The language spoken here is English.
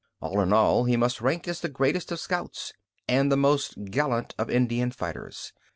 All in all, he must rank as the greatest of scouts and the most gallant of Indian fighters.